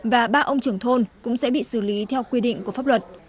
và ba ông trưởng thôn cũng sẽ bị xử lý theo quy định của pháp luật